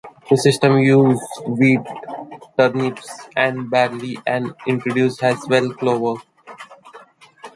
The system used wheat, turnips and barley and introduced as well clover.